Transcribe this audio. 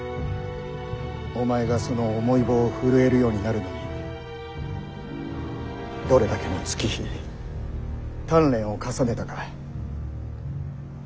お前がその重い棒を振るえるようになるのにどれだけの月日鍛錬を重ねたか。